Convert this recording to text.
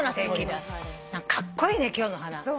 カッコイイね今日の花。